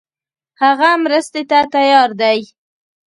هغه مرستې ته تیار دی.